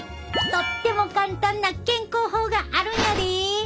とっても簡単な健康法があるんやで！